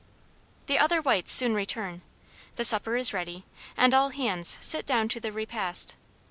The other whites soon return, the supper is ready, and all hands sit down to the repast.